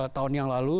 tahun yang lalu